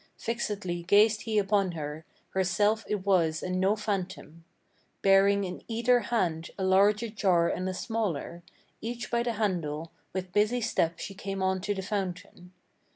Fixedly gazed he upon her; herself it was and no phantom. Bearing in either hand a larger jar and a smaller, Each by the handle, with busy step she came on to the fountain.